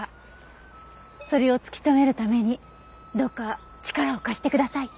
それを突き止めるためにどうか力を貸してください。